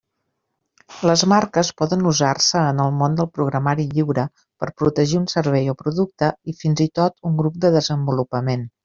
Les marques poden usar-se en el món del programari lliure per protegir un servei o producte i fins i tot un grup de desenvolupament.